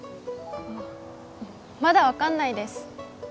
あまだ分かんないです